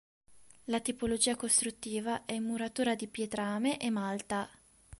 La tipologia costruttiva è in muratura di pietrame e malta.